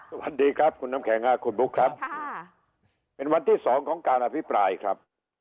สวัสดีครับคุณน้ำแข็งค่ะคุณบุ๊คครับค่ะเป็นวันที่สองของการอภิปรายครับ